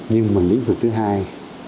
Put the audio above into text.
nhưng một lĩnh vực thứ hai